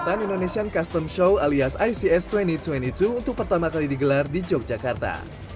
kegiatan indonesian custom show alias ics dua ribu dua puluh dua untuk pertama kali digelar di yogyakarta